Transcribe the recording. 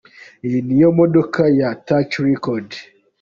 Iyi niyo modoka ya Touch record.